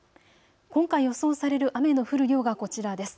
今回、予想される雨の降る量がこちらです。